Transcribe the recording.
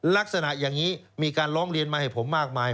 ลักษณะอย่างนี้มีการร้องเรียนมาให้ผมมากมาย